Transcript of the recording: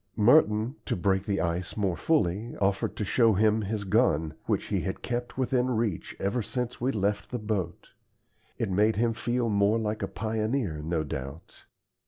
Merton, to break the ice more fully, offered to show him his gun, which he had kept within reach ever since we left the boat. It made him feel more like a pioneer, no doubt.